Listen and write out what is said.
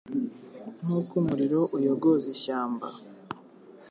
Nk’uko umuriro uyogoza ishyamba